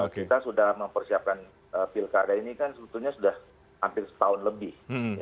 kita sudah mempersiapkan pilkada ini kan sebetulnya sudah hampir setahun lebih